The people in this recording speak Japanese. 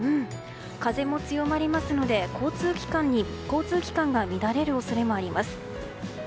風も強まりますので交通機関が乱れる恐れもあります。